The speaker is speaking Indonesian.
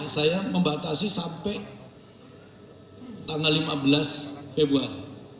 saya membatasi sampai tanggal lima belas februari